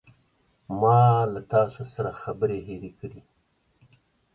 ما له تاسو سره خبرې هیرې کړې.